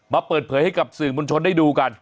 มาเปิดเผยให้กับสื่อมวลชนได้ดูกัน